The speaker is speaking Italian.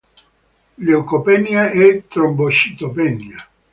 Leucopenia e trombocitopenia.